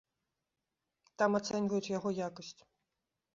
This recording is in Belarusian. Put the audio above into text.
Там ацэньваюць яго якасць.